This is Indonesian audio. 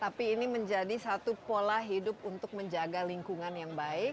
tapi ini menjadi satu pola hidup untuk menjaga lingkungan yang baik